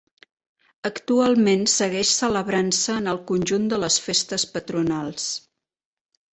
Actualment segueix celebrant-se en el conjunt de les Festes Patronals.